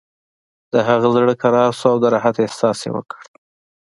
د هغه زړه کرار شو او د راحت احساس یې وکړ